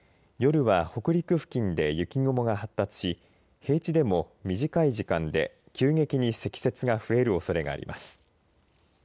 夜は北陸付近で雪雲が発達し平地でも短い時間で急激に積雪が増えるおそれがあります。